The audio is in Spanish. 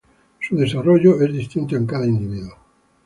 Su desarrollo es distinto en cada individuo.